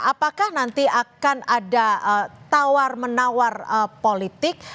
apakah nanti akan ada tawar menawar politik